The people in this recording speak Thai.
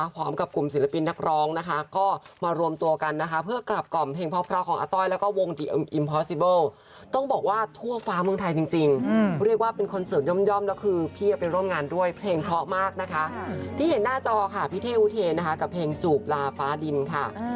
ที่เห็นหน้าจอพี่เทพธุเทกับเพลงจูบลาฟ้าดินค่ะ